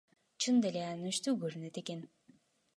Чынында эле аянычтуу көрүнөт экен.